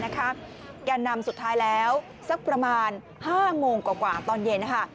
แก่นำสุดท้ายแล้วสักประมาณ๕โมงกว่าตอนเย็น